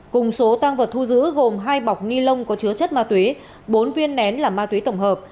cùng số tăng vật thu giữ gồm hai bọc ni lông có chứa chất ma tuế bốn viên nén là ma tuế tổng hợp